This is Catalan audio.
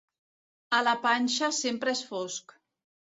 A la panxa sempre és fosc.